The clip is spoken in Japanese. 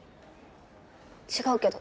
違うけど。